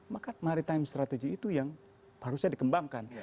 maka maritime strategy itu yang harusnya dikembangkan